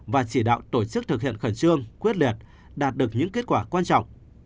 và chỉ đạo tổ chức thực hiện khẩn trương quyết liệt đạt được những kết quả quan trọng